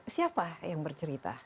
siapa yang bercerita